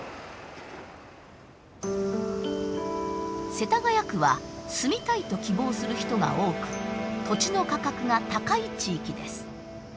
世田谷区は住みたいと希望する人が多く土地の価格が高い地域です。